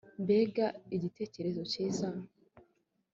Mbega igitekerezo cyiza